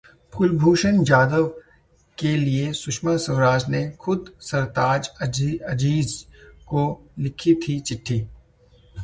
कुलभूषण जाधव के लिए सुषमा स्वराज ने खुद सरताज अजीज को लिखी थी चिट्ठी